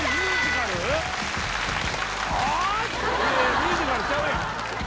ミュージカルちゃうやん！